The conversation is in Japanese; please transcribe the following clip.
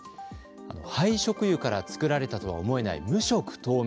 廃食油からつくられたとは思えない、無色透明。